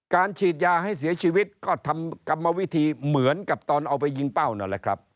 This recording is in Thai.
ฉีดยาให้เสียชีวิตก็ทำกรรมวิธีเหมือนกับตอนเอาไปยิงเป้านั่นแหละครับ